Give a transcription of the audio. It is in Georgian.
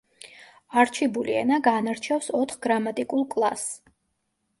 არჩიბული ენა განარჩევს ოთხ გრამატიკულ კლასს.